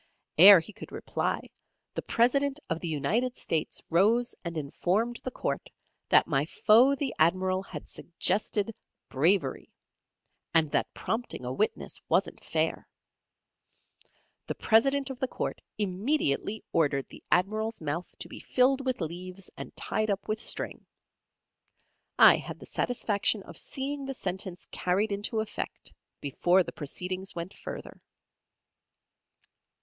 'Ere he could reply, the President of the United States rose and informed the court that my foe the Admiral had suggested "Bravery," and that prompting a witness wasn't fair. The President of the Court immediately ordered the Admiral's mouth to be filled with leaves, and tied up with string. I had the satisfaction of seeing the sentence carried into effect, before the proceedings went further.